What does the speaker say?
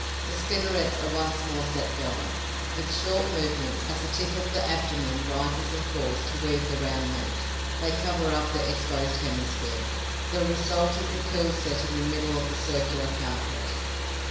The spinnerets are once more set going. With short movements, as the tip of the abdomen rises and falls to weave the round mat, they cover up the exposed hemisphere. The result is a pill set in the middle of a circular carpet.